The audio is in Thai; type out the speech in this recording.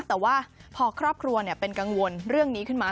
แต่ว่าพอครอบครัวเป็นกังวลเรื่องนี้ขึ้นมา